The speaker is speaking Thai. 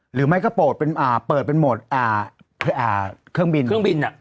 หรือไม่ก็โปรดเปิดเป็นโหมดเครื่องบิน